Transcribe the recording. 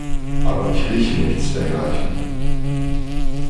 Aber ich rieche nichts dergleichen.